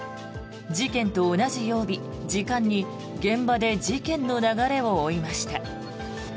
事件と同じ曜日、時間に現場で事件の流れを追いました。